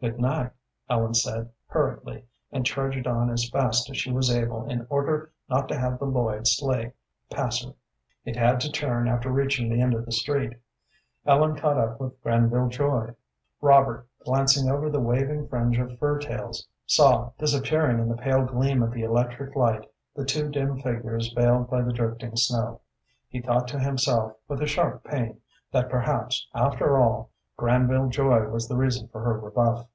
"Good night," Ellen said, hurriedly, and trudged on as fast as she was able in order not to have the Lloyd sleigh pass her; it had to turn after reaching the end of the street. Ellen caught up with Granville Joy. Robert, glancing over the waving fringe of fur tails, saw disappearing in the pale gleam of the electric light the two dim figures veiled by the drifting snow. He thought to himself, with a sharp pain, that perhaps, after all, Granville Joy was the reason for her rebuff.